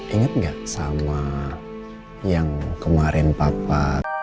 ingat nggak sama yang kemarin papa